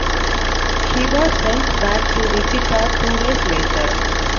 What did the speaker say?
He was sent back to Wichita two days later.